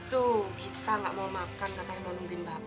tuh kita gak mau makan katanya mau nungguin bapak